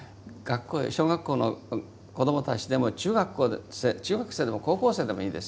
小学校の子どもたちでも中学生でも高校生でもいいです。